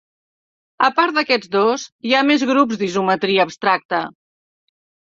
A part d'aquests dos, hi ha més grups d'isometria abstracte.